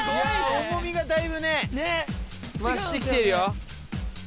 重みがだいぶね増してきてるよ。